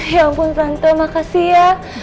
ya ampun tante makasih ya